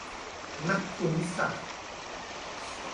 นักภูมิศาสตร์